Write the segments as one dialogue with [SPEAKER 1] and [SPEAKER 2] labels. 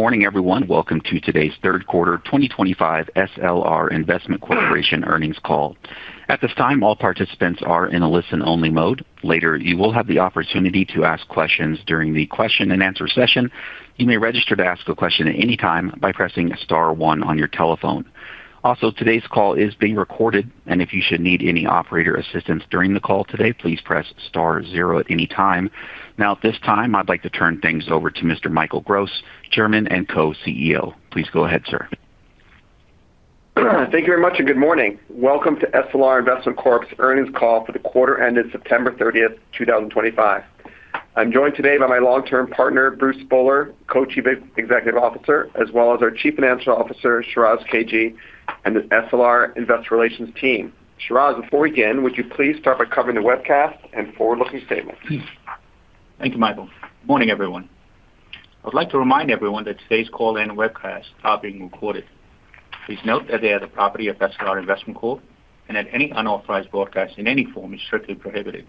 [SPEAKER 1] Morning, everyone. Welcome to today's third quarter 2025 SLR Investment Corporation earnings call. At this time, all participants are in a listen-only mode. Later, you will have the opportunity to ask questions during the question-and-answer session. You may register to ask a question at any time by pressing star one on your telephone. Also, today's call is being recorded, and if you should need any operator assistance during the call today, please press star zero at any time. Now, at this time, I'd like to turn things over to Mr. Michael Gross, Chairman and Co-CEO. Please go ahead, sir.
[SPEAKER 2] Thank you very much and good morning. Welcome to SLR Investment Corp's earnings call for the quarter ended September 30, 2025. I'm joined today by my long-term partner, Bruce Spohler, Co-Chief Executive Officer, as well as our Chief Financial Officer, Shiraz Kajee, and the SLR Investor Relations team. Shiraz, before we begin, would you please start by covering the webcast and forward-looking statements?
[SPEAKER 3] Thank you, Michael. Morning, everyone. I would like to remind everyone that today's call and webcast are being recorded. Please note that they are the property of SLR Investment Corp, and that any unauthorized broadcast in any form is strictly prohibited.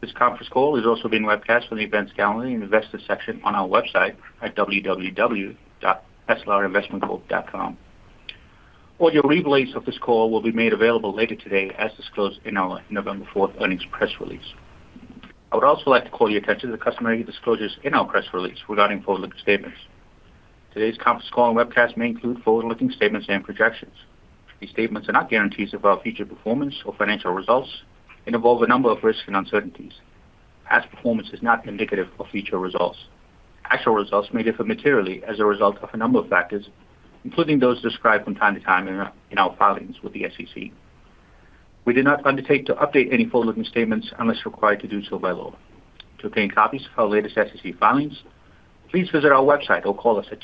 [SPEAKER 3] This conference call is also being webcast from the events calendar and Investor Section on our website at www.slrinvestmentcorp.com. Audio relays of this call will be made available later today as disclosed in our November 4th earnings press release. I would also like to call your attention to the customary disclosures in our press release regarding forward-looking statements. Today's conference call and webcast may include forward-looking statements and projections. These statements are not guarantees of our future performance or financial results and involve a number of risks and uncertainties. Past performance is not indicative of future results. Actual results may differ materially as a result of a number of factors, including those described from time to time in our filings with the SEC. We do not undertake to update any forward-looking statements unless required to do so by law. To obtain copies of our latest SEC filings, please visit our website or call us at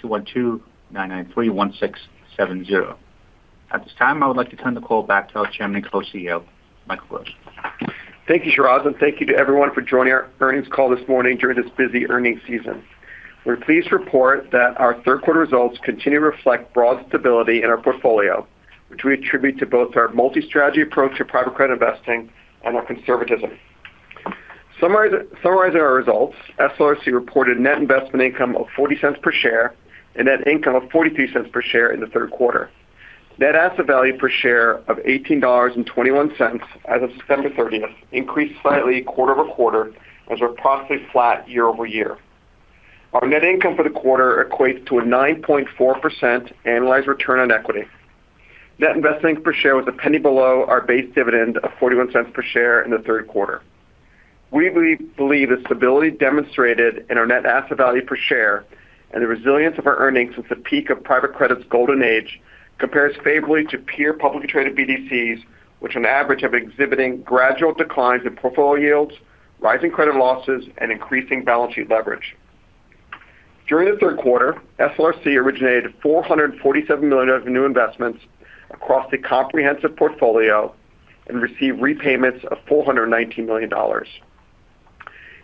[SPEAKER 3] 212-993-1670. At this time, I would like to turn the call back to our Chairman and Co-CEO, Michael Gross.
[SPEAKER 2] Thank you, Shiraz, and thank you to everyone for joining our earnings call this morning during this busy earnings season. We're pleased to report that our third-quarter results continue to reflect broad stability in our portfolio, which we attribute to both our multi-strategy approach to private credit investing and our conservatism. Summarizing our results, SLRC. reported net investment income of $0.40 per share and net income of $0.43 per share in the third quarter. Net asset value per share of $18.21 as of September 30th increased slightly quarter-over-quarter as we're approximately flat year-over-year. Our net income for the quarter equates to a 9.4% annualized return on equity. Net investment per share was a penny below our base dividend of $0.41 per share in the third quarter. We believe the stability demonstrated in our net asset value per share and the resilience of our earnings since the peak of private credit's golden age compares favorably to peer publicly traded BDCs, which on average have been exhibiting gradual declines in portfolio yields, rising credit losses, and increasing balance sheet leverage. During the third quarter, SLRC originated $447 million of new investments across the comprehensive portfolio and received repayments of $419 million.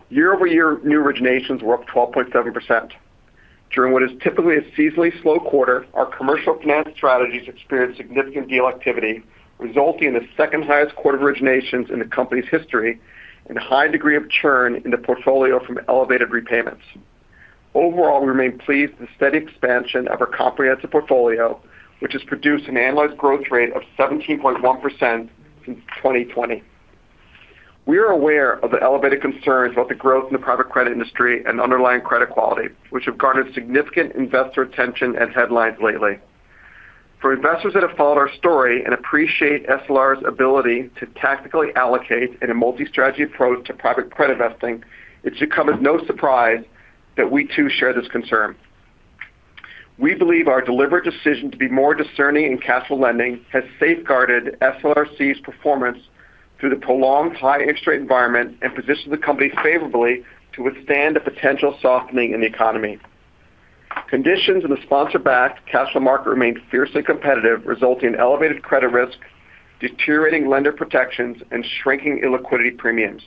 [SPEAKER 2] Year-over-year new originations were up 12.7%. During what is typically a seasonally slow quarter, our commercial finance strategies experienced significant deal activity, resulting in the second highest quarter of originations in the company's history and a high degree of churn in the portfolio from elevated repayments. Overall, we remain pleased with the steady expansion of our comprehensive portfolio, which has produced an annualized growth rate of 17.1% since 2020. We are aware of the elevated concerns about the growth in the private credit industry and underlying credit quality, which have garnered significant investor attention and headlines lately. For investors that have followed our story and appreciate SLR's ability to tactically allocate in a multi-strategy approach to private credit investing, it should come as no surprise that we too share this concern. We believe our deliberate decision to be more discerning in cash flow lending has safeguarded SLRC's performance through the prolonged high interest rate environment and positioned the company favorably to withstand a potential softening in the economy. Conditions in the sponsor-backed cash flow market remain fiercely competitive, resulting in elevated credit risk, deteriorating lender protections, and shrinking illiquidity premiums.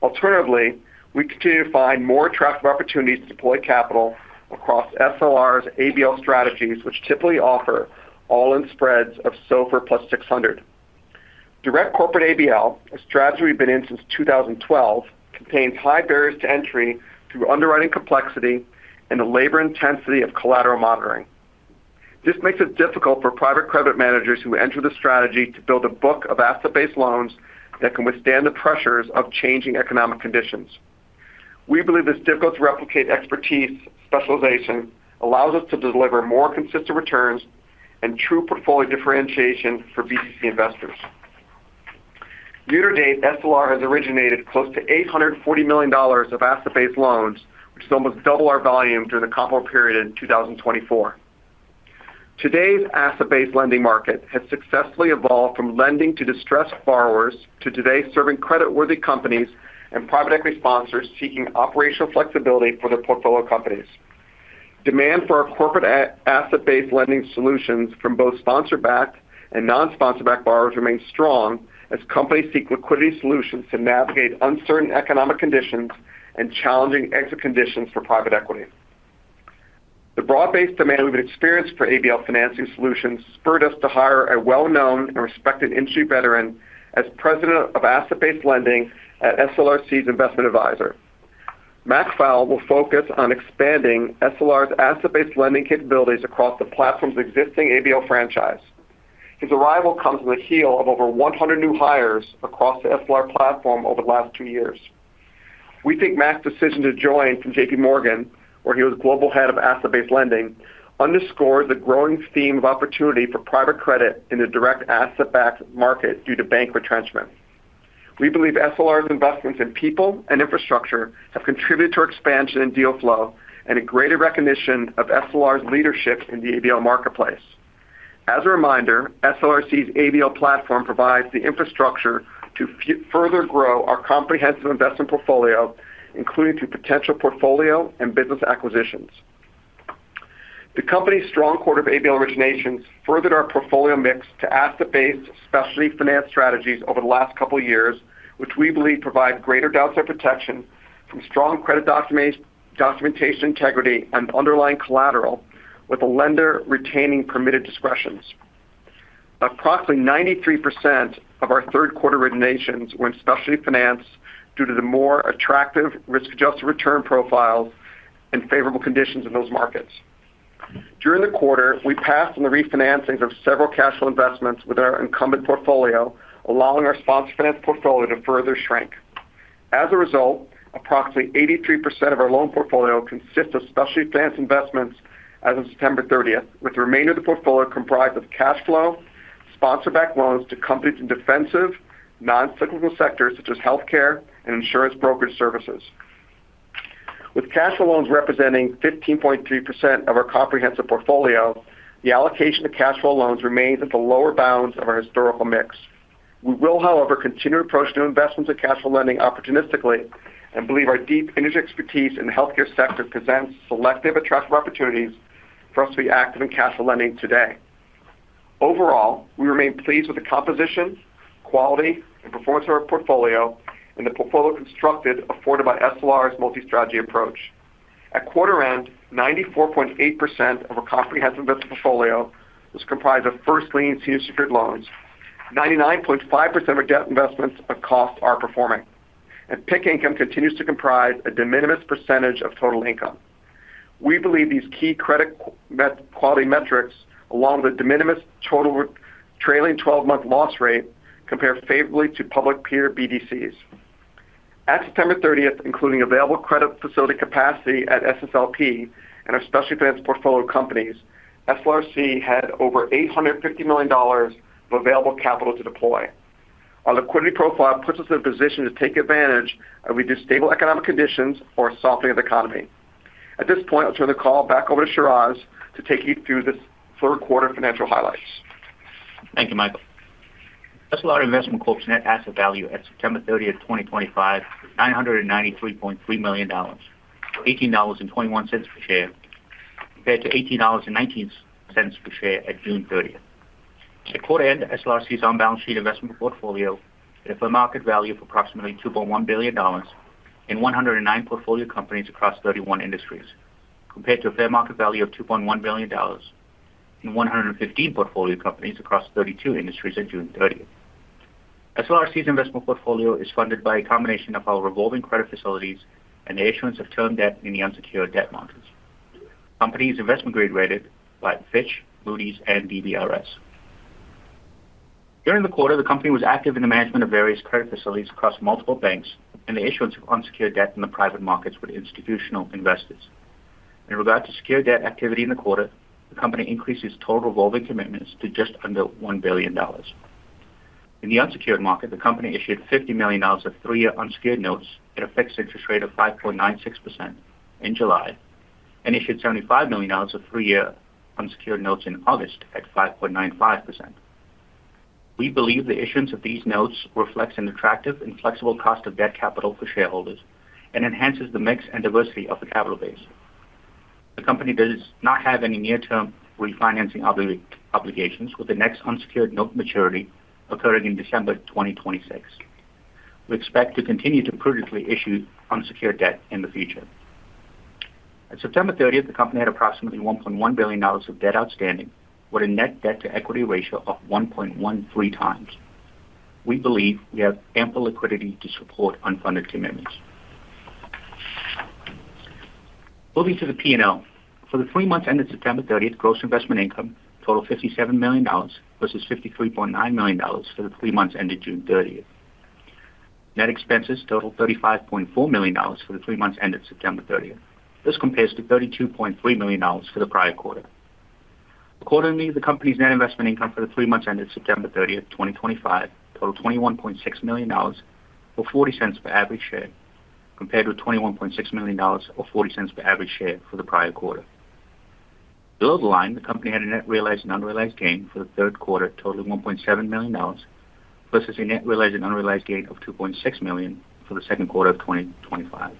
[SPEAKER 2] Alternatively, we continue to find more attractive opportunities to deploy capital across SLR's ABL strategies, which typically offer all-in spreads of SOFR plus 600. Direct corporate ABL, a strategy we've been in since 2012, contains high barriers to entry through underwriting complexity and the labor intensity of collateral monitoring. This makes it difficult for private credit managers who enter the strategy to build a book of asset-based loans that can withstand the pressures of changing economic conditions. We believe this difficulty to replicate expertise specialization allows us to deliver more consistent returns and true portfolio differentiation for BDC investors. Year to date, SLR has originated close to $840 million of asset-based loans, which is almost double our volume during the comparable period in 2024. Today's asset-based lending market has successfully evolved from lending to distressed borrowers to today serving creditworthy companies and private equity sponsors seeking operational flexibility for their portfolio companies. Demand for our corporate asset-based lending solutions from both sponsor-backed and non-sponsor-backed borrowers remains strong as companies seek liquidity solutions to navigate uncertain economic conditions and challenging exit conditions for private equity. The broad-based demand we've experienced for ABL financing solutions spurred us to hire a well-known and respected industry veteran as President of asset-based lending at SLRC's Investment Advisor. Mac Fowle will focus on expanding SLR's asset-based lending capabilities across the platform's existing ABL franchise. His arrival comes on the heel of over 100 new hires across the SLR platform over the last two years. We think Mac's decision to join from JPMorgan, where he was global head of asset-based lending, underscores the growing theme of opportunity for private credit in the direct asset-backed market due to bank retrenchment. We believe SLR's investments in people and infrastructure have contributed to our expansion in deal flow and a greater recognition of SLR's leadership in the ABL marketplace. As a reminder, SLRC's ABL platform provides the infrastructure to further grow our comprehensive investment portfolio, including through potential portfolio and business acquisitions. The company's strong quarter of ABL originations furthered our portfolio mix to asset-based specialty finance strategies over the last couple of years, which we believe provide greater downside protection from strong credit documentation integrity and underlying collateral, with the lender retaining permitted discretions. Approximately 93% of our third-quarter originations were in specialty finance due to the more attractive risk-adjusted return profiles and favorable conditions in those markets. During the quarter, we passed on the refinancing of several cash flow investments within our incumbent portfolio, allowing our sponsor-financed portfolio to further shrink. As a result, approximately 83% of our loan portfolio consists of specialty finance investments as of September 30, with the remainder of the portfolio comprised of cash flow, sponsor-backed loans to companies in defensive, non-cyclical sectors such as healthcare and insurance brokerage services. With cash flow loans representing 15.3% of our comprehensive portfolio, the allocation to cash flow loans remains at the lower bounds of our historical mix. We will, however, continue to approach new investments in cash flow lending opportunistically and believe our deep industry expertise in the healthcare sector presents selective attractive opportunities for us to be active in cash flow lending today. Overall, we remain pleased with the composition, quality, and performance of our portfolio and the portfolio constructed afforded by SLR's multi-strategy approach. At quarter end, 94.8% of our comprehensive investment portfolio was comprised of first lien senior secured loans. 99.5% of our debt investments across our performance. PIK income continues to comprise a de minimis percentage of total income. We believe these key credit quality metrics, along with a de minimis total trailing 12-month loss rate, compare favorably to public peer BDCs. At September 30, including available credit facility capacity at SSLP and our specialty finance portfolio companies, SLRC had over $850 million of available capital to deploy. Our liquidity profile puts us in a position to take advantage of either stable economic conditions or a softening of the economy. At this point, I'll turn the call back over to Shiraz to take you through this third quarter financial highlights.
[SPEAKER 3] Thank you, Michael. SLR Investment Corp's net asset value at September 30, 2025 was $993.3 million, $18.21 per share, compared to $18.19 per share at June 30. At quarter end, SLRC's unbalanced sheet investment portfolio had a fair market value of approximately $2.1 billion and 109 portfolio companies across 31 industries, compared to a fair market value of $2.1 billion and 115 portfolio companies across 32 industries at June 30. SLRC's investment portfolio is funded by a combination of our revolving credit facilities and the issuance of term debt in the unsecured debt markets. The company is investment-grade rated by Fitch, Moody's, and DBRS. During the quarter, the company was active in the management of various credit facilities across multiple banks and the issuance of unsecured debt in the private markets with institutional investors. In regard to secured debt activity in the quarter, the company increased its total revolving commitments to just under $1 billion. In the unsecured market, the company issued $50 million of three-year unsecured notes at a fixed interest rate of 5.96% in July and issued $75 million of three-year unsecured notes in August at 5.95%. We believe the issuance of these notes reflects an attractive and flexible cost of debt capital for shareholders and enhances the mix and diversity of the capital base. The company does not have any near-term refinancing obligations, with the next unsecured note maturity occurring in December 2026. We expect to continue to prudently issue unsecured debt in the future. At September 30th, the company had approximately $1.1 billion of debt outstanding, with a net debt-to-equity ratio of 1.13 times. We believe we have ample liquidity to support unfunded commitments. Moving to the P&L, for the three months ended September 30th, gross investment income totaled $57 million versus $53.9 million for the three months ended June 30th. Net expenses totaled $35.4 million for the three months ended September 30th. This compares to $32.3 million for the prior quarter. Accordingly, the company's net investment income for the three months ended September 30th, 2025, totaled $21.6 million, or $0.40 per average share, compared to $21.6 million, or $0.40 per average share for the prior quarter. Below the line, the company had a net realized and unrealized gain for the third quarter totaling $1.7 million, versus a net realized and unrealized gain of $2.6 million for the second quarter of 2025.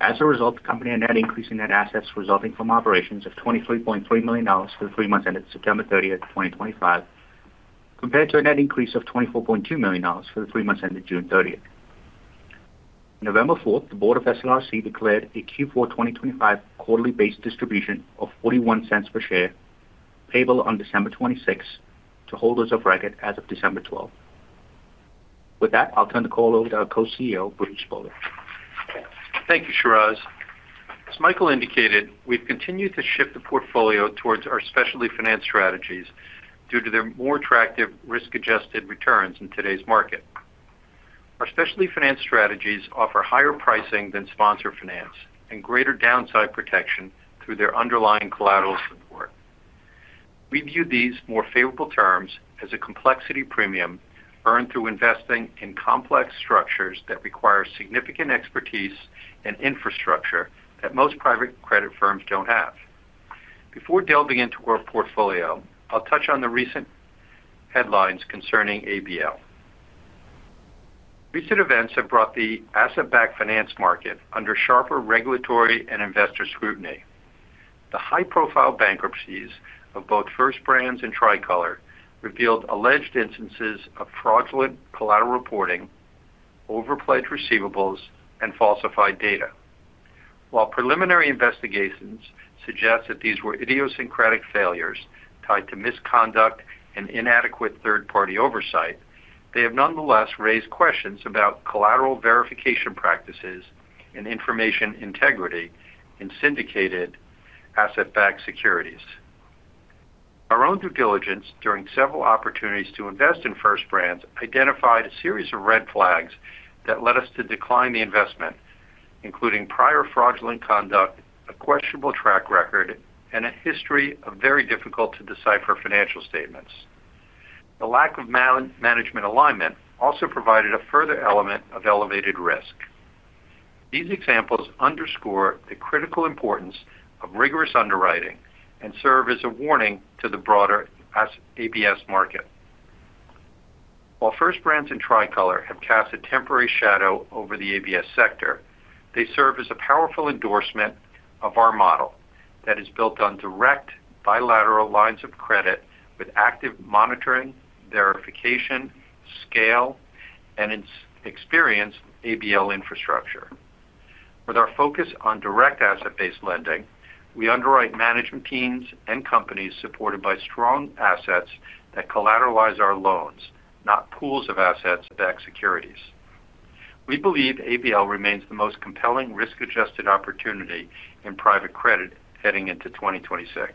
[SPEAKER 3] As a result, the company had a net increase in net assets resulting from operations of $23.3 million for the three months ended September 30th, 2025. Compared to a net increase of $24.2 million for the three months ended June 30. On November 4, the board of SLRC declared a Q4 2025 quarterly base distribution of $0.41 per share payable on December 26 to holders of record as of December 12. With that, I'll turn the call over to our Co-CEO, Bruce Spohler.
[SPEAKER 4] Thank you, Shiraz. As Michael indicated, we've continued to shift the portfolio towards our specialty finance strategies due to their more attractive risk-adjusted returns in today's market. Our specialty finance strategies offer higher pricing than sponsor finance and greater downside protection through their underlying collateral support. We view these more favorable terms as a complexity premium earned through investing in complex structures that require significant expertise and infrastructure that most private credit firms don't have. Before delving into our portfolio, I'll touch on the recent headlines concerning ABL. Recent events have brought the asset-backed finance market under sharper regulatory and investor scrutiny. The high-profile bankruptcies of both First Brands and Tricolor revealed alleged instances of fraudulent collateral reporting, overplayed receivables, and falsified data. While preliminary investigations suggest that these were idiosyncratic failures tied to misconduct and inadequate third-party oversight, they have nonetheless raised questions about collateral verification practices and information integrity in syndicated asset-backed securities. Our own due diligence during several opportunities to invest in First Brands identified a series of red flags that led us to decline the investment, including prior fraudulent conduct, a questionable track record, and a history of very difficult-to-decipher financial statements. The lack of management alignment also provided a further element of elevated risk. These examples underscore the critical importance of rigorous underwriting and serve as a warning to the broader ABS market. While First Brands and Tricolor have cast a temporary shadow over the ABS sector, they serve as a powerful endorsement of our model that is built on direct bilateral lines of credit with active monitoring, verification, scale, and experienced ABL infrastructure. With our focus on direct asset-based lending, we underwrite management teams and companies supported by strong assets that collateralize our loans, not pools of asset-backed securities. We believe ABL remains the most compelling risk-adjusted opportunity in private credit heading into 2026.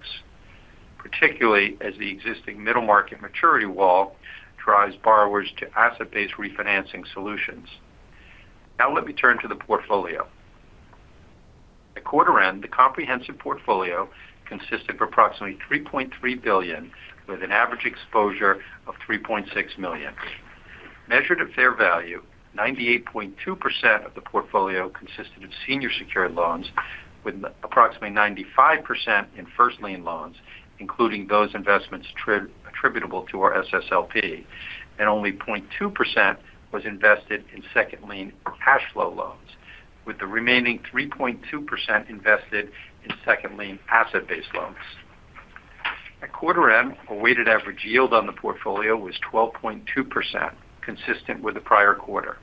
[SPEAKER 4] Particularly as the existing middle market maturity wall drives borrowers to asset-based refinancing solutions. Now let me turn to the portfolio. At quarter end, the comprehensive portfolio consisted of approximately $3.3 billion, with an average exposure of $3.6 million. Measured at fair value, 98.2% of the portfolio consisted of senior secured loans, with approximately 95% in first lien loans, including those investments attributable to our SSLP, and only 0.2% was invested in second lien cash flow loans, with the remaining 3.2% invested in second lien asset-based loans. At quarter end, our weighted average yield on the portfolio was 12.2%, consistent with the prior quarter.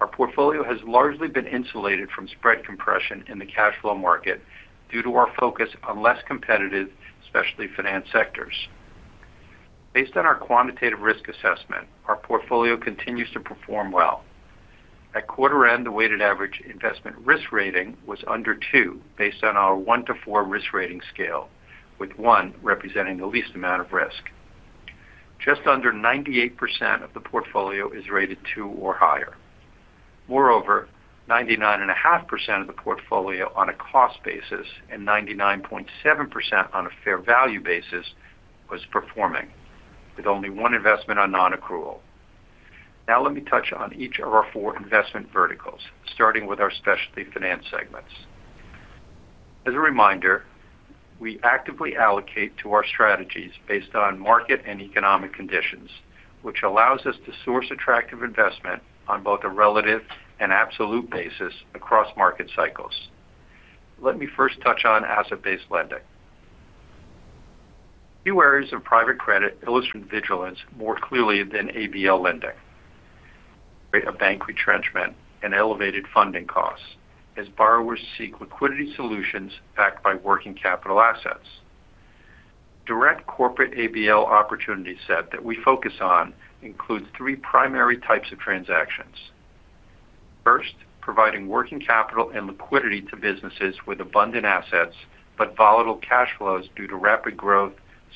[SPEAKER 4] Our portfolio has largely been insulated from spread compression in the cash flow market due to our focus on less competitive specialty finance sectors. Based on our quantitative risk assessment, our portfolio continues to perform well. At quarter end, the weighted average investment risk rating was under 2 based on our 1-4 risk rating scale, with 1 representing the least amount of risk. Just under 98% of the portfolio is rated 2 or higher. Moreover, 99.5% of the portfolio on a cost basis and 99.7% on a fair value basis was performing, with only one investment on non-accrual. Now let me touch on each of our four investment verticals, starting with our specialty finance segments. As a reminder, we actively allocate to our strategies based on market and economic conditions, which allows us to source attractive investment on both a relative and absolute basis across market cycles. Let me first touch on asset-based lending. Few areas of private credit illustrate vigilance more clearly than ABL lending. A bank retrenchment and elevated funding costs as borrowers seek liquidity solutions backed by working capital assets. Direct corporate ABL opportunities set that we focus on includes three primary types of transactions. First, providing working capital and liquidity to businesses with abundant assets but volatile cash flows due to rapid growth,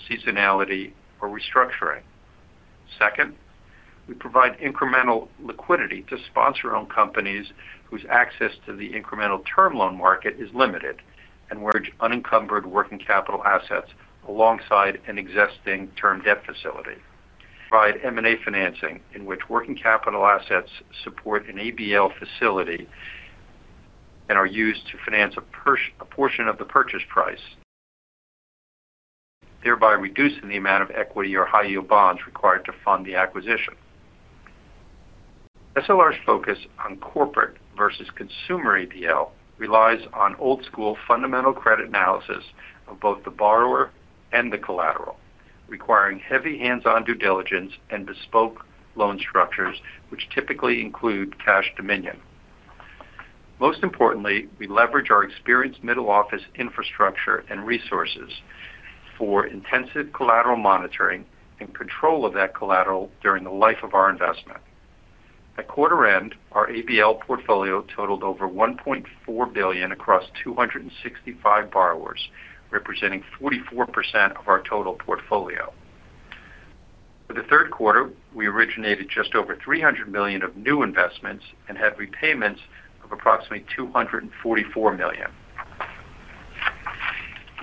[SPEAKER 4] seasonality, or restructuring. Second, we provide incremental liquidity to sponsor-owned companies whose access to the incremental term loan market is limited and where unencumbered working capital assets alongside an existing term debt facility. We provide M&A financing in which working capital assets support an ABL facility. And are used to finance a portion of the purchase price. Thereby reducing the amount of equity or high-yield bonds required to fund the acquisition. SLR's focus on corporate versus consumer ABL relies on old-school fundamental credit analysis of both the borrower and the collateral, requiring heavy hands-on due diligence and bespoke loan structures, which typically include cash dominion. Most importantly, we leverage our experienced middle office infrastructure and resources for intensive collateral monitoring and control of that collateral during the life of our investment. At quarter end, our ABL portfolio totaled over $1.4 billion across 265 borrowers, representing 44% of our total portfolio. For the third quarter, we originated just over $300 million of new investments and had repayments of approximately $244 million.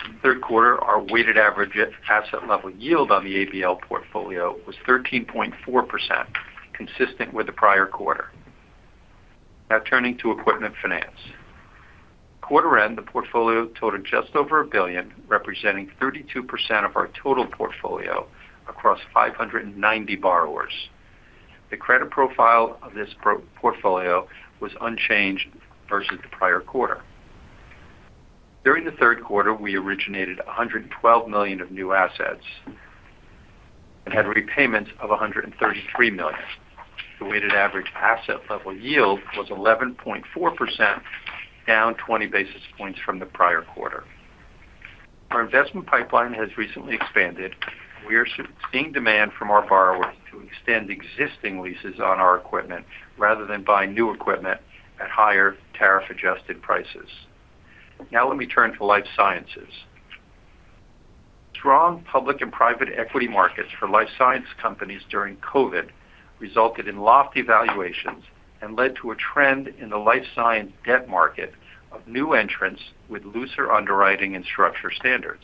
[SPEAKER 4] In the third quarter, our weighted average asset-level yield on the ABL portfolio was 13.4%, consistent with the prior quarter. Now turning to equipment finance. Quarter end, the portfolio totaled just over $1 billion, representing 32% of our total portfolio across 590 borrowers. The credit profile of this portfolio was unchanged versus the prior quarter. During the third quarter, we originated $112 million of new assets and had repayments of $133 million. The weighted average asset-level yield was 11.4%, down 20 basis points from the prior quarter. Our investment pipeline has recently expanded, and we are seeing demand from our borrowers to extend existing leases on our equipment rather than buy new equipment at higher tariff-adjusted prices. Now let me turn to Life Sciences. Strong public and private equity markets for Life Science companies during COVID resulted in lofty valuations and led to a trend in the Life Science debt market of new entrants with looser underwriting and structure standards.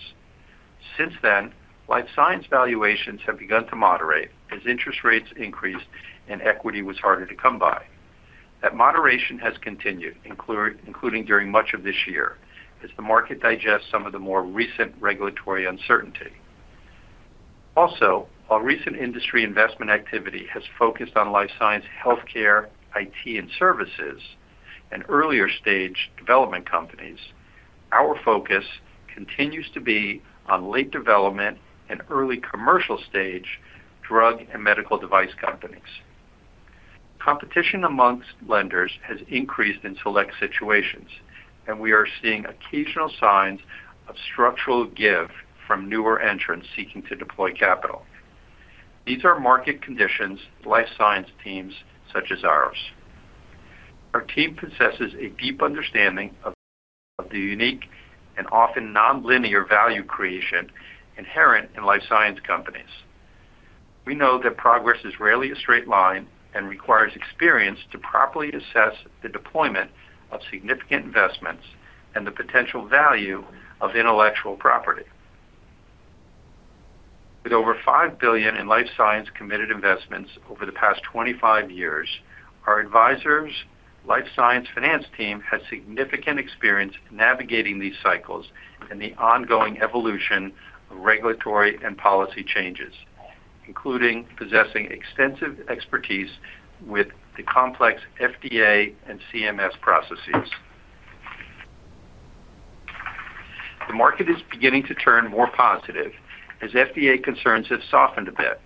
[SPEAKER 4] Since then, Life Science valuations have begun to moderate as interest rates increased and equity was harder to come by. That moderation has continued, including during much of this year, as the market digests some of the more recent regulatory uncertainty. Also, while recent industry investment activity has focused on Life Science, healthcare, IT, and services, and earlier-stage development companies, our focus continues to be on late development and early commercial-stage drug and medical device companies. Competition amongst lenders has increased in select situations, and we are seeing occasional signs of structural give from newer entrants seeking to deploy capital. These are market conditions for Life Science teams such as ours. Our team possesses a deep understanding of the unique and often non-linear value creation inherent in life science companies. We know that progress is rarely a straight line and requires experience to properly assess the deployment of significant investments and the potential value of intellectual property. With over $5 billion in Life Science committed investments over the past 25 years, our advisors' Life Science Finance team has significant experience navigating these cycles and the ongoing evolution of regulatory and policy changes, including possessing extensive expertise with the complex FDA and CMS processes. The market is beginning to turn more positive as FDA concerns have softened a bit.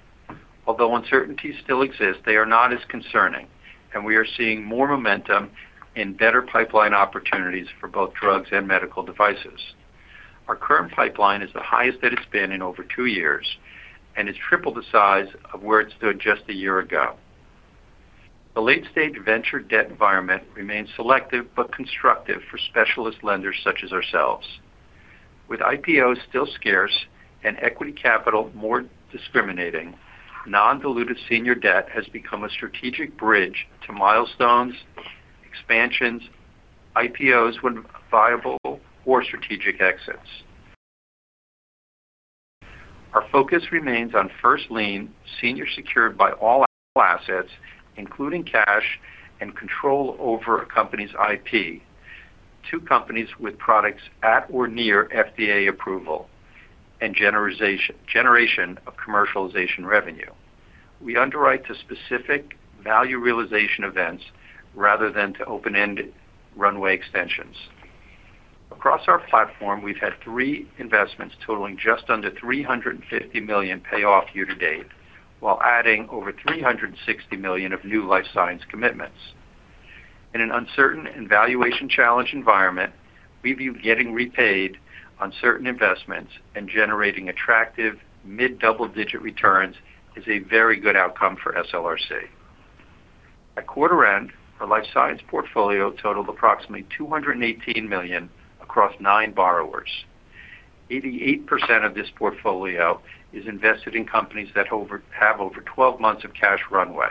[SPEAKER 4] Although uncertainties still exist, they are not as concerning, and we are seeing more momentum in better pipeline opportunities for both drugs and medical devices. Our current pipeline is the highest that it has been in over two years and is triple the size of where it stood just a year ago. The late-stage venture debt environment remains selective but constructive for specialist lenders such as ourselves. With IPOs still scarce and equity capital more discriminating, non-dilutive senior debt has become a strategic bridge to milestones, expansions, IPOs, viable core strategic exits. Our focus remains on first lien, senior secured by all assets, including cash and control over a company's IP. Two companies with products at or near FDA approval and generation of commercialization revenue. We underwrite to specific value realization events rather than to open-ended runway extensions. Across our platform, we have had three investments totaling just under $350 million payoff year to date, while adding over $360 million of new Life Science commitments. In an uncertain and valuation-challenged environment, we view getting repaid on certain investments and generating attractive mid-double-digit returns as a very good outcome for SLRC. At quarter end, our Life Science portfolio totaled approximately $218 million across nine borrowers. 88% of this portfolio is invested in companies that have over 12 months of cash runway.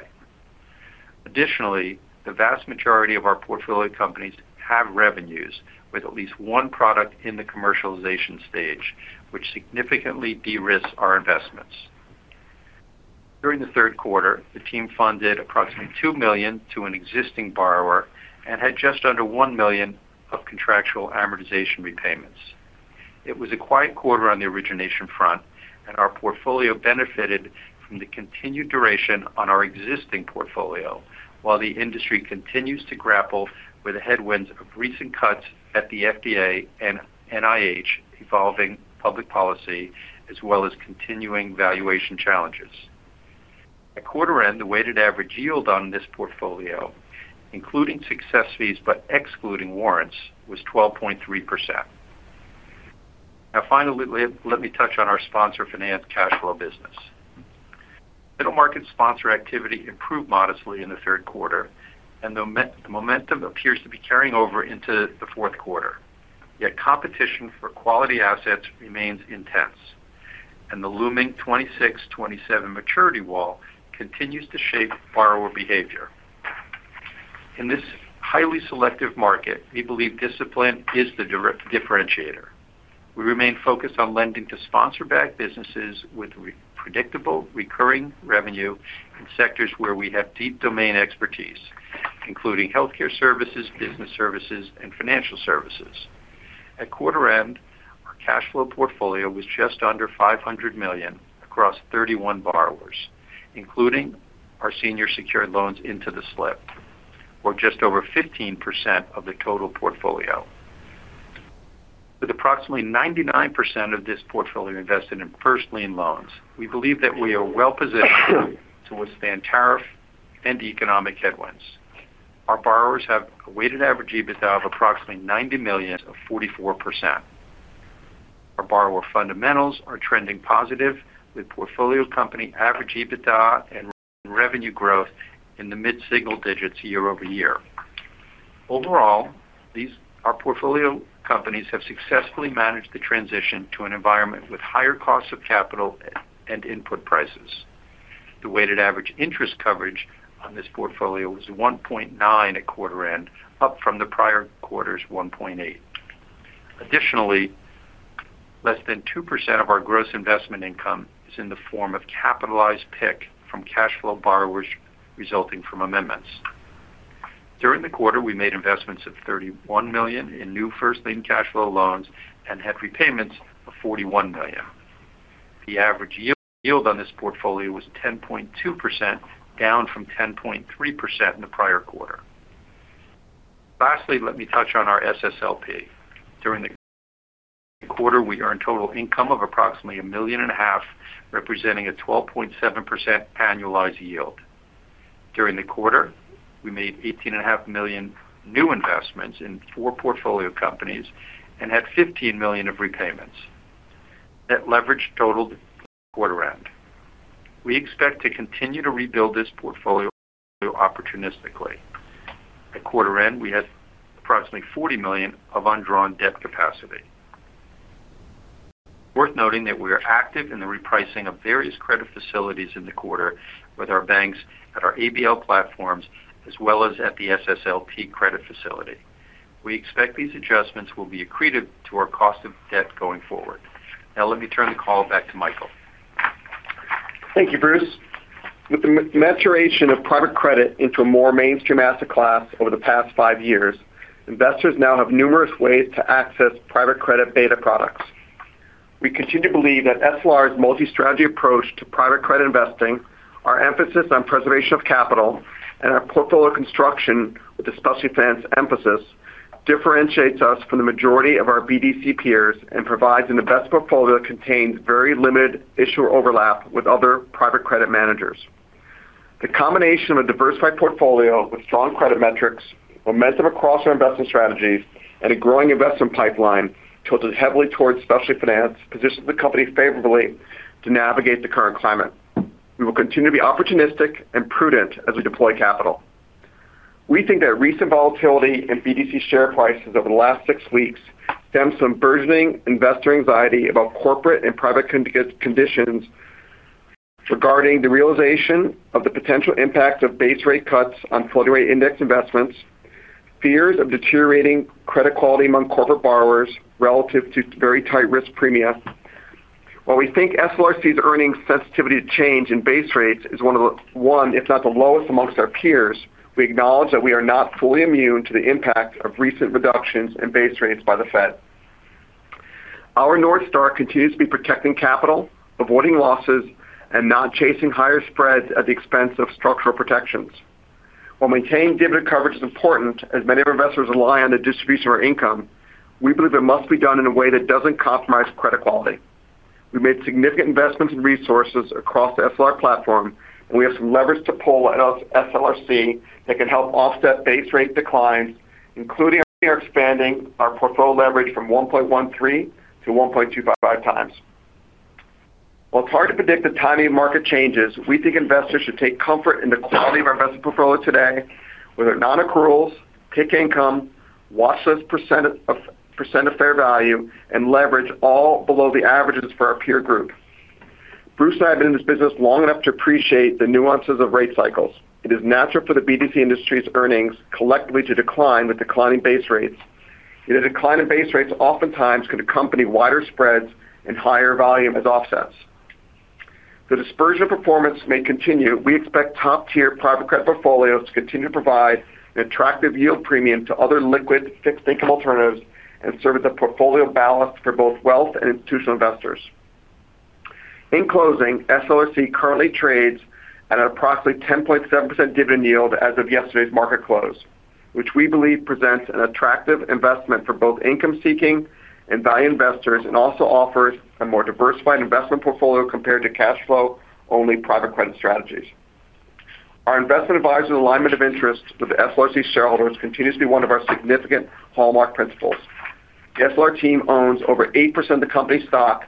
[SPEAKER 4] Additionally, the vast majority of our portfolio companies have revenues with at least one product in the commercialization stage, which significantly de-risked our investments. During the third quarter, the team funded approximately $2 million to an existing borrower and had just under $1 million of contractual amortization repayments. It was a quiet quarter on the origination front, and our portfolio benefited from the continued duration on our existing portfolio while the industry continues to grapple with the headwinds of recent cuts at the FDA and NIH evolving public policy, as well as continuing valuation challenges. At quarter end, the weighted average yield on this portfolio, including success fees but excluding warrants, was 12.3%. Now finally, let me touch on our sponsor-financed cash flow business. Middle market sponsor activity improved modestly in the third quarter, and the momentum appears to be carrying over into the fourth quarter. Yet competition for quality assets remains intense, and the looming 2026-2027 maturity wall continues to shape borrower behavior. In this highly selective market, we believe discipline is the differentiator. We remain focused on lending to sponsor-backed businesses with predictable recurring revenue in sectors where we have deep domain expertise, including healthcare services, business services, and financial services. At quarter end, our cash flow portfolio was just under $500 million across 31 borrowers, including our senior secured loans into the SSLP, or just over 15% of the total portfolio. With approximately 99% of this portfolio invested in first lien loans, we believe that we are well-positioned to withstand tariff and economic headwinds. Our borrowers have a weighted average EBITDA of approximately $90 million, of 44%. Our borrower fundamentals are trending positive, with portfolio company average EBITDA and revenue growth in the mid-single digits year-over-year. Overall, our portfolio companies have successfully managed the transition to an environment with higher costs of capital and input prices. The weighted average interest coverage on this portfolio was 1.9 at quarter end, up from the prior quarter's 1.8. Additionally, less than 2% of our gross investment income is in the form of capitalized PIK from cash flow borrowers resulting from amendments. During the quarter, we made investments of $31 million in new first lien cash flow loans and had repayments of $41 million. The average yield on this portfolio was 10.2%, down from 10.3% in the prior quarter. Lastly, let me touch on our SSLP. During the quarter, we earned total income of approximately $1.5 million, representing a 12.7% annualized yield. During the quarter, we made $18.5 million new investments in four portfolio companies and had $15 million of repayments. That leverage totaled quarter end. We expect to continue to rebuild this portfolio opportunistically. At quarter end, we had approximately $40 million of undrawn debt capacity. It's worth noting that we are active in the repricing of various credit facilities in the quarter with our banks at our ABL platforms, as well as at the SSLP credit facility. We expect these adjustments will be accretive to our cost of debt going forward. Now let me turn the call back to Michael.
[SPEAKER 2] Thank you, Bruce. With the maturation of private credit into a more mainstream asset class over the past five years, investors now have numerous ways to access private credit beta products. We continue to believe that SLR's multi-strategy approach to private credit investing, our emphasis on preservation of capital, and our portfolio construction with a special finance emphasis differentiates us from the majority of our BDC peers and provides an investment portfolio that contains very limited issuer overlap with other private credit managers. The combination of a diversified portfolio with strong credit metrics, momentum across our investment strategies, and a growing investment pipeline tilted heavily towards special finance positions the company favorably to navigate the current climate. We will continue to be opportunistic and prudent as we deploy capital. We think that recent volatility in BDC share prices over the last six weeks stems from burgeoning investor anxiety about corporate and private conditions. Regarding the realization of the potential impact of base rate cuts on floating-rate index investments, fears of deteriorating credit quality among corporate borrowers relative to very tight risk premium. While we think SLRC's earnings sensitivity to change in base rates is one of the one, if not the lowest, amongst our peers, we acknowledge that we are not fully immune to the impact of recent reductions in base rates by the Fed. Our North Star continues to be protecting capital, avoiding losses, and not chasing higher spreads at the expense of structural protections. While maintaining dividend coverage is important, as many of our investors rely on the distribution of our income, we believe it must be done in a way that doesn't compromise credit quality. We made significant investments and resources across the SLR platform, and we have some leverage to pull at SLRC that can help offset base rate declines, including expanding our portfolio leverage from 1.13-1.25 times. While it's hard to predict the timing of market changes, we think investors should take comfort in the quality of our investment portfolio today with our non-accruals, PIK income, watch list percentage of fair value, and leverage all below the averages for our peer group. Bruce and I have been in this business long enough to appreciate the nuances of rate cycles. It is natural for the BDC industry's earnings collectively to decline with declining base rates. The decline in base rates oftentimes can accompany wider spreads and higher volume as offsets. The dispersion of performance may continue. We expect top-tier private credit portfolios to continue to provide an attractive yield premium to other liquid fixed-income alternatives and serve as a portfolio balance for both wealth and institutional investors. In closing, SLRC currently trades at an approximately 10.7% dividend yield as of yesterday's market close, which we believe presents an attractive investment for both income-seeking and value investors and also offers a more diversified investment portfolio compared to cash flow-only private credit strategies. Our investment advisor alignment of interest with SLRC shareholders continues to be one of our significant hallmark principles. The SLR team owns over 8% of the company's stock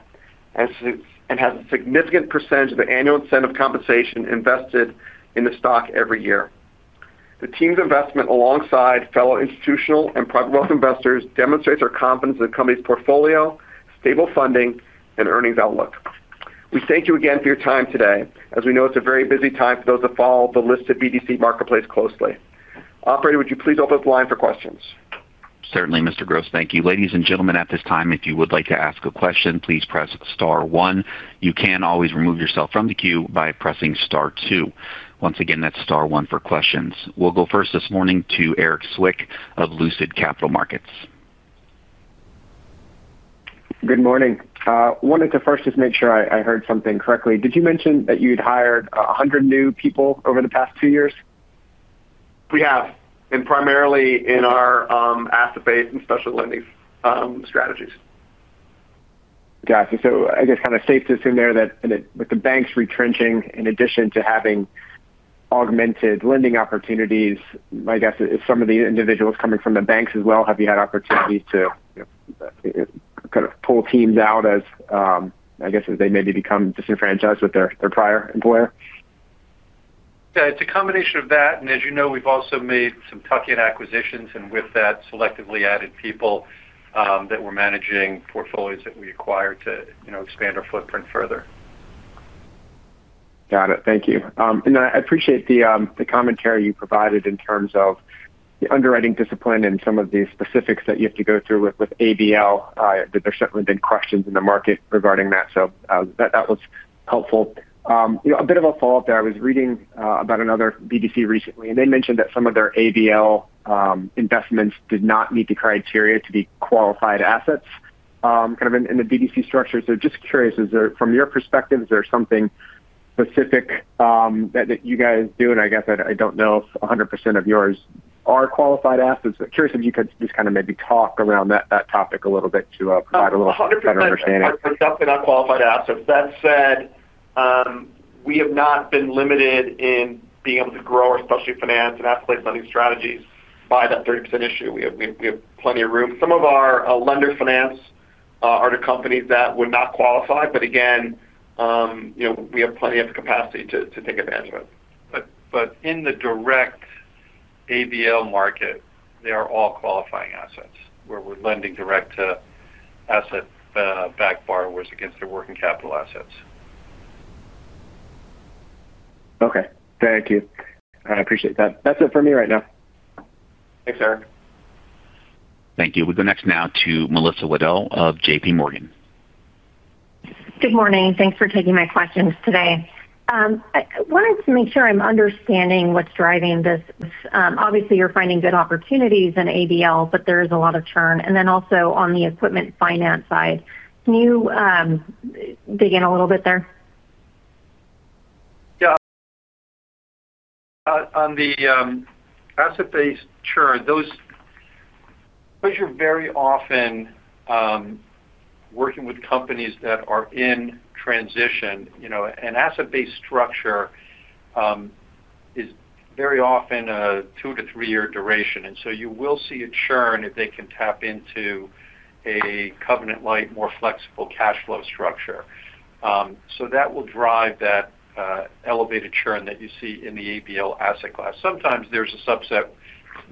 [SPEAKER 2] and has a significant percentage of the annual incentive compensation invested in the stock every year. The team's investment alongside fellow institutional and private wealth investors demonstrates our confidence in the company's portfolio, stable funding, and earnings outlook. We thank you again for your time today, as we know it's a very busy time for those that follow the listed BDC marketplace closely. Operator, would you please open up the line for questions?
[SPEAKER 1] Certainly, Mr. Gross. Thank you. Ladies and gentlemen, at this time, if you would like to ask a question, please press Star 1. You can always remove yourself from the queue by pressing Star 2. Once again, that's Star 1 for questions. We'll go first this morning to Erik Zwick of Lucid Capital Markets.
[SPEAKER 5] Good morning. I wanted to first just make sure I heard something correctly. Did you mention that you had hired 100 new people over the past two years?
[SPEAKER 2] We have, and primarily in our asset-based and special lending strategies.
[SPEAKER 5] Gotcha. I guess kind of safe to assume there that with the banks retrenching in addition to having. Augmented lending opportunities, I guess, is some of the individuals coming from the banks as well? Have you had opportunities to kind of pull teams out as, I guess, as they maybe become disenfranchised with their prior employer?
[SPEAKER 2] It's a combination of that, and as you know, we've also made some tuck-in acquisitions, and with that, selectively added people that were managing portfolios that we acquired to expand our footprint further.
[SPEAKER 5] Got it. Thank you. I appreciate the commentary you provided in terms of the underwriting discipline and some of the specifics that you have to go through with ABL. There certainly have been questions in the market regarding that, so that was helpful. A bit of a follow-up there. I was reading about another BDC recently, and they mentioned that some of their ABL. Investments did not meet the criteria to be qualified assets kind of in the BDC structure. Just curious, from your perspective, is there something specific that you guys do? I guess I do not know if 100% of yours are qualified assets, but curious if you could just maybe talk around that topic a little bit to provide a little better understanding.
[SPEAKER 2] 100% are qualified assets. That said, we have not been limited in being able to grow our special finance and asset-based lending strategies by that 30% issue. We have plenty of room. Some of our lender finance are the companies that would not qualify, but again, we have plenty of capacity to take advantage of it. In the direct ABL market, they are all qualifying assets where we are lending direct to asset-backed borrowers against their working capital assets.
[SPEAKER 5] Okay. Thank you. I appreciate that. That's it for me right now.
[SPEAKER 2] Thanks, Erik.
[SPEAKER 1] Thank you. We'll go next now to Melissa Wedel of JPMorgan.
[SPEAKER 6] Good morning. Thanks for taking my questions today. I wanted to make sure I'm understanding what's driving this. Obviously, you're finding good opportunities in ABL, but there is a lot of churn. And then also on the equipment finance side, can you dig in a little bit there?
[SPEAKER 2] Yeah. On the asset-based churn, those are very often working with companies that are in transition. An asset-based structure is very often a two to three-year duration, and you will see a churn if they can tap into a covenant-like, more flexible cash flow structure. That will drive that elevated churn that you see in the ABL asset class. Sometimes there's a subset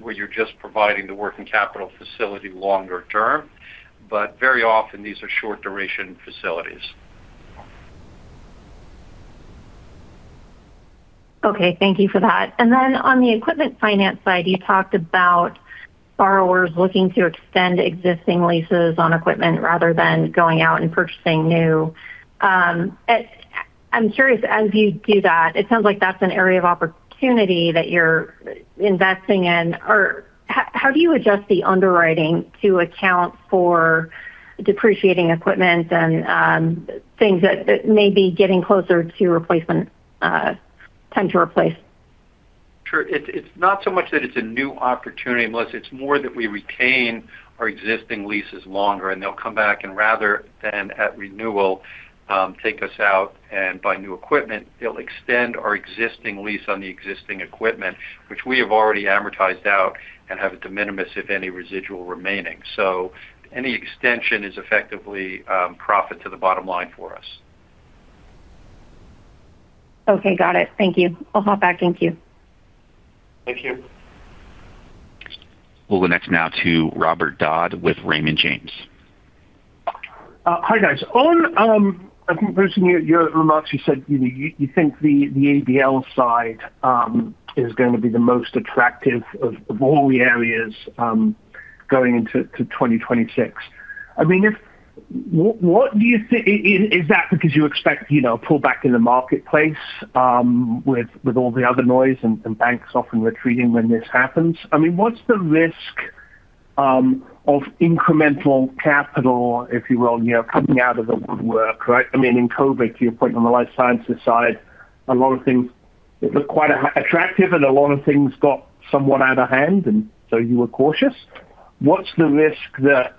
[SPEAKER 2] where you're just providing the working capital facility longer term, but very often, these are short-duration facilities.
[SPEAKER 6] Okay. Thank you for that. Then on the equipment finance side, you talked about borrowers looking to extend existing leases on equipment rather than going out and purchasing new. I'm curious, as you do that, it sounds like that's an area of opportunity that you're investing in. How do you adjust the underwriting to account for depreciating equipment and things that may be getting closer to time to replace?
[SPEAKER 2] Sure. It's not so much that it's a new opportunity unless it's more that we retain our existing leases longer, and they'll come back and rather than at renewal take us out and buy new equipment, they'll extend our existing lease on the existing equipment, which we have already amortized out and have a de minimis, if any, residual remaining. So any extension is effectively profit to the bottom line for us.
[SPEAKER 6] Okay. Got it. Thank you. I'll hop back in queue.
[SPEAKER 2] Thank you. Thank you.
[SPEAKER 1] We'll go next now to Robert Dodd with Raymond James.
[SPEAKER 7] Hi, guys. I think first in your remarks you said you think the ABL side is going to be the most attractive of all the areas going into 2026. I mean, what do you think? Is that because you expect a pullback in the marketplace with all the other noise and banks often retreating when this happens? I mean, what's the risk of incremental capital, if you will, coming out of the woodwork, right? I mean, in COVID, to your point on the Life Sciences side, a lot of things looked quite attractive, and a lot of things got somewhat out of hand, and you were cautious. What's the risk that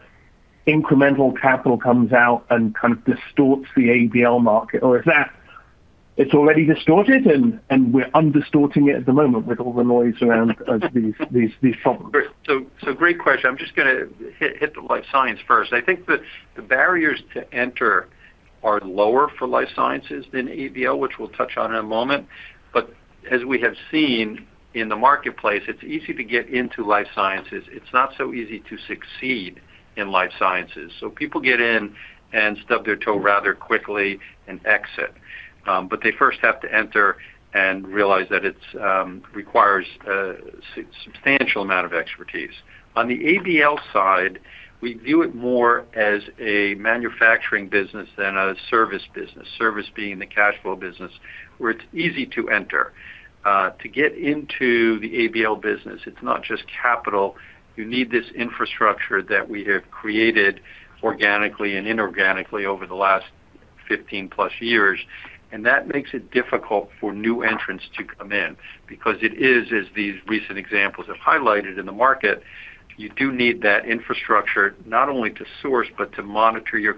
[SPEAKER 7] incremental capital comes out and kind of distorts the ABL market? Or is that it's already distorted, and we're undistorting it at the moment with all the noise around. These problems?
[SPEAKER 4] Great question. I'm just going to hit the Life Science first. I think the barriers to enter are lower for Life Sciences than ABL, which we'll touch on in a moment. As we have seen in the marketplace, it's easy to get into Life Sciences. It's not so easy to succeed in Life Sciences. People get in and stub their toe rather quickly and exit. They first have to enter and realize that it requires a substantial amount of expertise. On the ABL side, we view it more as a manufacturing business than a service business, service being the cash flow business where it's easy to enter. To get into the ABL business, it's not just capital. You need this infrastructure that we have created. Organically and inorganically over the last 15-plus years, and that makes it difficult for new entrants to come in. Because it is, as these recent examples have highlighted in the market, you do need that infrastructure not only to source but to monitor your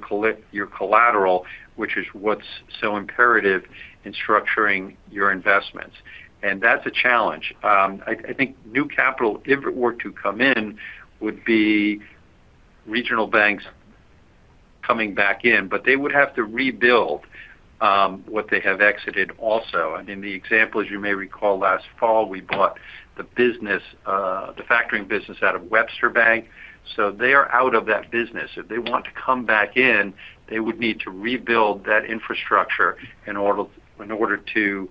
[SPEAKER 4] collateral, which is what's so imperative in structuring your investments. That's a challenge. I think new capital, if it were to come in, would be regional banks coming back in, but they would have to rebuild what they have exited also. I mean, the example, as you may recall, last fall, we bought the factoring business out of Webster Bank. They are out of that business. If they want to come back in, they would need to rebuild that infrastructure in order to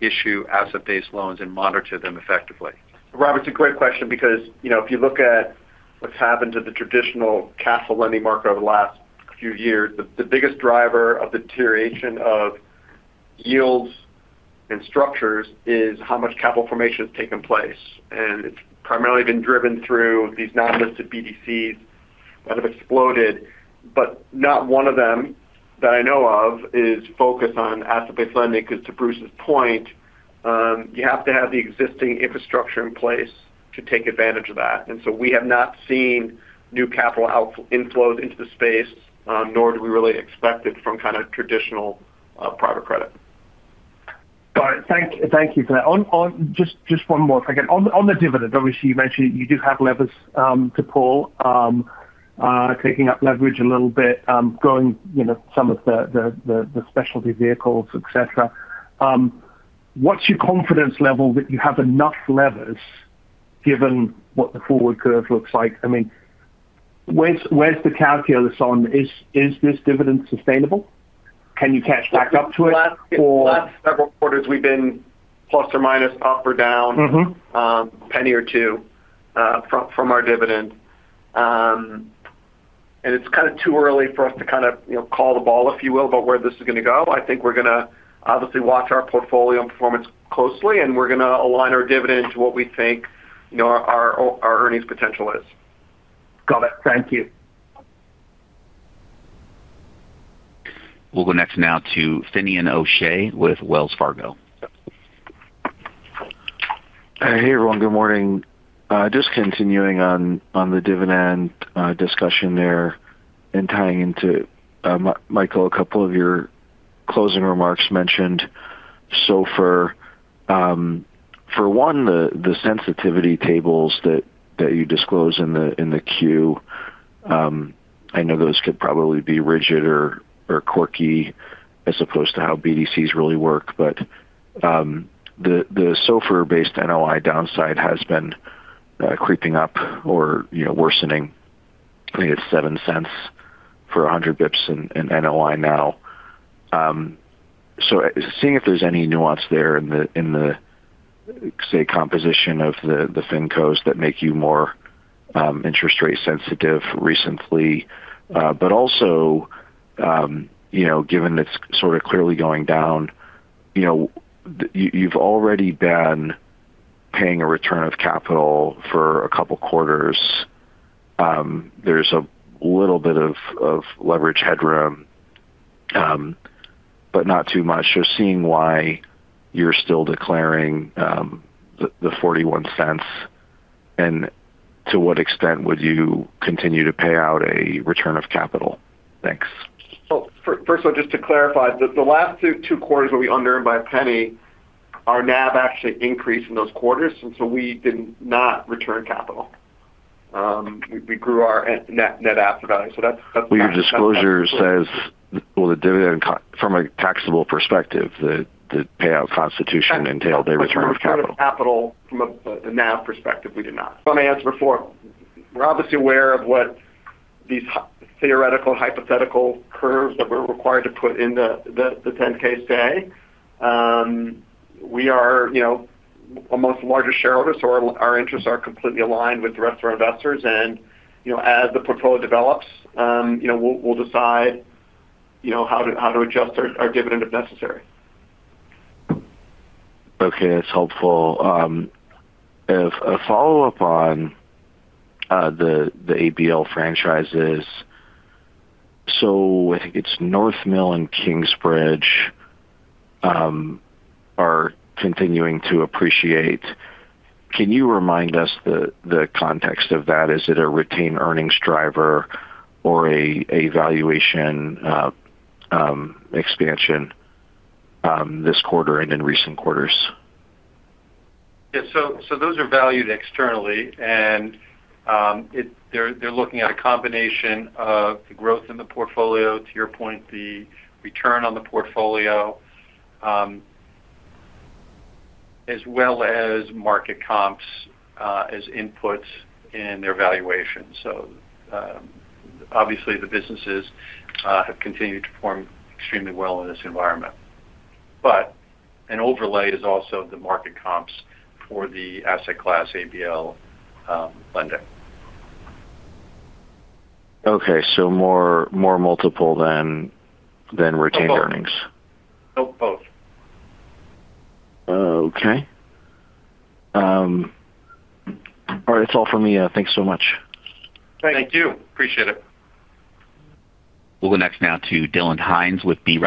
[SPEAKER 4] issue asset-based loans and monitor them effectively.
[SPEAKER 2] Robert, it's a great question because if you look at what's happened to the traditional capital lending market over the last few years, the biggest driver of the deterioration of yields and structures is how much capital formation has taken place. It's primarily been driven through these non-listed BDCs that have exploded. Not one of them that I know of is focused on asset-based lending because, to Bruce's point, you have to have the existing infrastructure in place to take advantage of that. We have not seen new capital inflows into the space, nor do we really expect it from kind of traditional private credit.
[SPEAKER 7] Got it. Thank you for that. Just one more question. On the dividend, obviously, you mentioned you do have levers to pull. Taking up leverage a little bit, going some of the specialty vehicles, etc. What's your confidence level that you have enough levers given what the forward curve looks like? I mean, where's the calculus on, is this dividend sustainable? Can you catch back up to it?
[SPEAKER 2] The last several quarters, we've been plus or minus, up or down, a penny or two from our dividend. And it's kind of too early for us to kind of call the ball, if you will, about where this is going to go. I think we're going to obviously watch our portfolio and performance closely, and we're going to align our dividend to what we think our earnings potential is.
[SPEAKER 7] Got it. Thank you.
[SPEAKER 1] We'll go next now to Finian O'Shea with Wells Fargo.
[SPEAKER 8] Hey, everyone. Good morning. Just continuing on the dividend discussion there and tying into, Michael, a couple of your closing remarks mentioned. So for. One, the sensitivity tables that you disclose in the queue. I know those could probably be rigid or quirky as opposed to how BDCs really work, but the SOFR-based NOI downside has been creeping up or worsening. I think it's 7 cents for 100 bps in NOI now. Seeing if there's any nuance there in the, say, composition of the Fincos that make you more interest rate sensitive recently. Also, given it's sort of clearly going down, you've already been paying a return of capital for a couple of quarters. There's a little bit of leverage headroom, but not too much. Just seeing why you're still declaring the $0.41, and to what extent would you continue to pay out a return of capital? Thanks.
[SPEAKER 2] First of all, just to clarify, the last two quarters where we under-earned by a penny, our NAV actually increased in those quarters, and we did not return capital. We grew our net asset value. That is not true.
[SPEAKER 8] Your disclosure says, the dividend, from a taxable perspective, the payout constitution entailed a return of capital?
[SPEAKER 2] From a NAV perspective, we did not. Finance before. We are obviously aware of what these theoretical and hypothetical curves that we are required to put in the 10-K today. We are amongst the largest shareholders, so our interests are completely aligned with the rest of our investors. As the portfolio develops, we will decide how to adjust our dividend if necessary.
[SPEAKER 8] Okay. That is helpful. A follow-up on the ABL franchises. I think it is North Mill and Kingsbridge. They are continuing to appreciate. Can you remind us the context of that? Is it a retained earnings driver or a valuation expansion this quarter and in recent quarters?
[SPEAKER 2] Yeah. Those are valued externally, and they are looking at a combination of the growth in the portfolio, to your point, the return on the portfolio, as well as market comps as inputs in their valuation. Obviously, the businesses have continued to perform extremely well in this environment. An overlay is also the market comps for the asset class ABL lending.
[SPEAKER 8] Okay. More multiple than retained earnings?
[SPEAKER 2] Both. Both.
[SPEAKER 8] Okay. All right. That's all for me. Thanks so much.
[SPEAKER 2] Thank you. Appreciate it.
[SPEAKER 1] We'll go next now to Dylan Hines with B.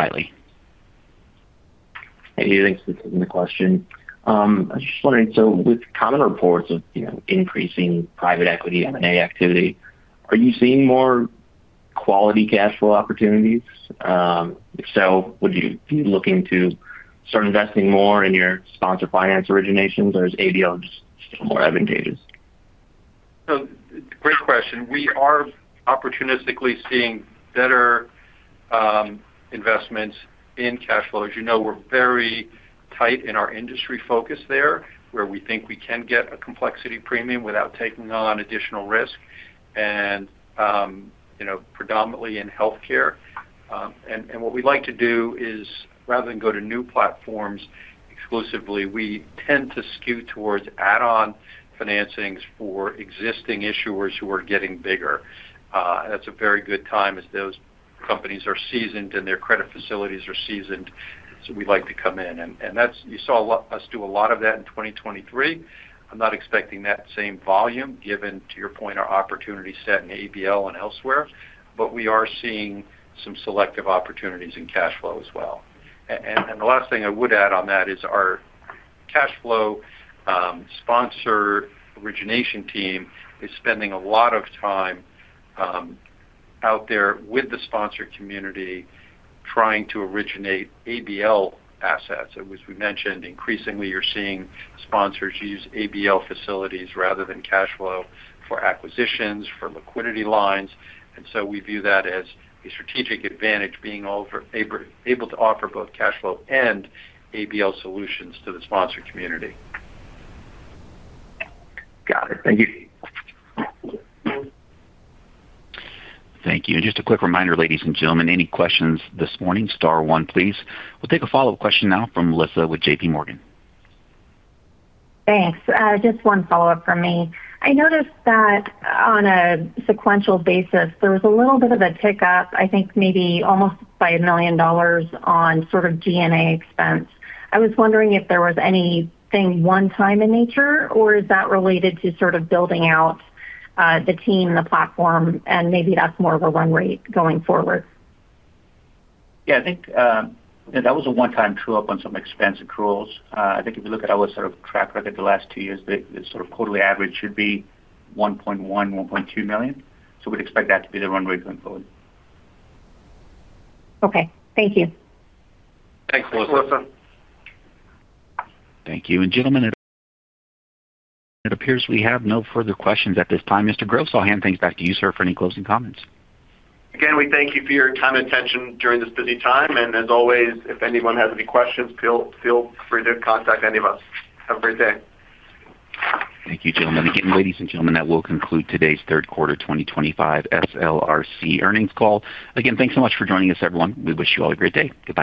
[SPEAKER 1] Riley. Hey, thanks for taking the question. I'm just wondering, with common reports of increasing private equity M&A activity, are you seeing more quality cash flow opportunities? If so, would you be looking to start investing more in your sponsored finance originations, or is ABL just still more advantageous?
[SPEAKER 4] Great question. We are opportunistically seeing better investments in cash flow. As you know, we're very tight in our industry focus there where we think we can get a complexity premium without taking on additional risk. Predominantly in healthcare. What we'd like to do is, rather than go to new platforms exclusively, we tend to skew towards add-on financings for existing issuers who are getting bigger. That's a very good time as those companies are seasoned and their credit facilities are seasoned, so we'd like to come in. You saw us do a lot of that in 2023. I'm not expecting that same volume, given, to your point, our opportunity set in ABL and elsewhere, but we are seeing some selective opportunities in cash flow as well. The last thing I would add on that is our cash flow sponsor origination team is spending a lot of time out there with the sponsor community trying to originate ABL assets. As we mentioned, increasingly, you're seeing sponsors use ABL facilities rather than cash flow for acquisitions, for liquidity lines. We view that as a strategic advantage being able to offer both cash flow and ABL solutions to the sponsor community. Got it. Thank you.
[SPEAKER 1] Thank you. Just a quick reminder, ladies and gentlemen, any questions this morning, star one, please. We'll take a follow-up question now from Melissa with JPMorgan. Thanks. Just one follow-up from me.
[SPEAKER 6] I noticed that on a sequential basis, there was a little bit of a tick up, I think maybe almost by a million dollars on sort of G&A expense. I was wondering if there was anything one-time in nature, or is that related to sort of building out the team, the platform, and maybe that's more of a run rate going forward?
[SPEAKER 3] Yeah. I think that was a one-time true-up on some expense accruals. I think if you look at our sort of track record the last two years, the sort of quarterly average should be $1.1 million-$1.2 million. So we'd expect that to be the run rate going forward.
[SPEAKER 6] Okay. Thank you.
[SPEAKER 3] Thanks, Melissa.
[SPEAKER 1] Thank you. And gentlemen. It appears we have no further questions at this time. Mr. Gross, I'll hand things back to you, sir, for any closing comments.
[SPEAKER 2] Again, we thank you for your time and attention during this busy time. As always, if anyone has any questions, feel free to contact any of us. Have a great day.
[SPEAKER 1] Thank you, gentlemen. Ladies and gentlemen, that will conclude today's third quarter 2025 SLRC earnings call. Again, thanks so much for joining us, everyone. We wish you all a great day. Goodbye.